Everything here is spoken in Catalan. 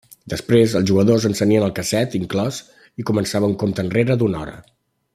Després, els jugadors encenien el casset inclòs i començava una compta enrere d'una hora.